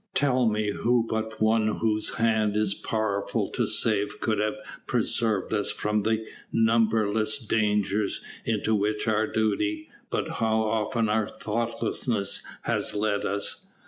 "Tell me who but One whose hand is powerful to save could have preserved us from the numberless dangers into which our duty, but how often our thoughtlessness, has led us.